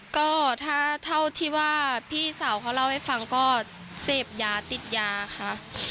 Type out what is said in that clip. ก็ถ้าเท่าที่ว่าพี่สาวเขาเล่าให้ฟังก็เสพยาติดยาค่ะ